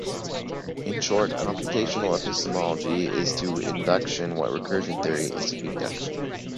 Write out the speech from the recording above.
In short, computational epistemology is to induction what recursion theory is to deduction.